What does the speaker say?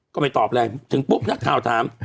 ก็ไม่ตอบอะไรถึงปุ๊บนักข่าวถาม